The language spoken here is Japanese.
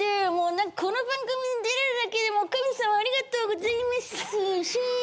この番組に出れるだけで神様ありがとうございます。